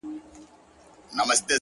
• له پسونو تر هوسیو تر غوایانو ,